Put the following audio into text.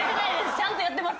ちゃんとやってます。